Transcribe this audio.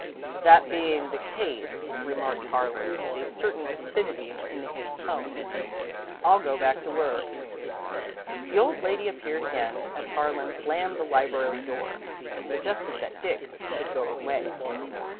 "That being the case," remarked Harlan, with a certain acidity in his tone, "I'll go back to my work." The old lady appeared again as Harlan slammed the library door, and suggested that Dick should go away.